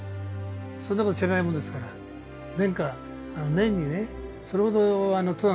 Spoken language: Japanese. そんなこと知らないもんですから「殿下年にねそれほど登山されてないのに」